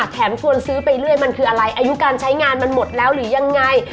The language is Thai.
ชวนซื้อไปเรื่อยมันคืออะไรอายุการใช้งานมันหมดแล้วหรือยังไง